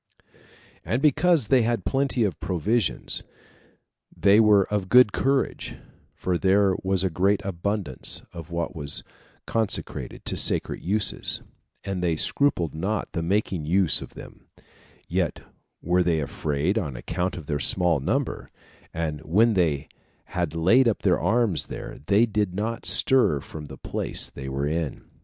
And because they had plenty of provisions, they were of good courage, for there was a great abundance of what was consecrated to sacred uses, and they scrupled not the making use of them; yet were they afraid, on account of their small number; and when they had laid up their arms there, they did not stir from the place they were in.